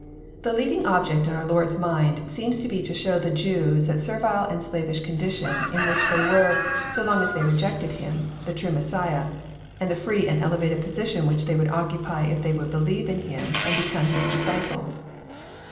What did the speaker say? The leading object In our Lord's mind JOHN, CHAP. vm. 107 Beems to be to show the Jews the servile and slavish condition lu which they were, so long as they rejected Him, the true Mes siah, and the free and elevated position which they would oc cupy if they would believe in Him and become His disciples.